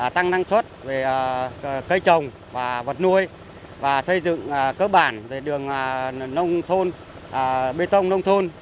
tăng năng suất về cây trồng và vật nuôi và xây dựng cơ bản về đường nông thôn bê tông nông thôn